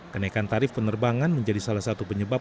kenaikan tarif penerbangan menjadi salah satu penyebab